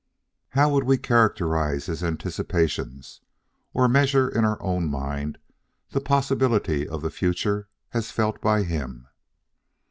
How would we characterize his anticipations, or measure in our own mind the possibilities of the future as felt by him?